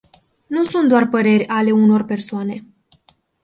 Nu sunt doar păreri ale unor persoane.